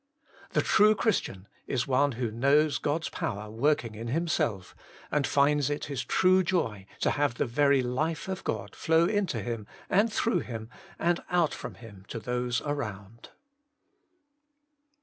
The true Christian is one who knows God's power working in himself, and finds it his true joy to have the very life of God flow into him, and through him, and out from him to those around.